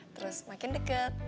terus makin deket